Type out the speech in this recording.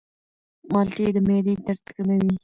مالټې د معدې درد کموي.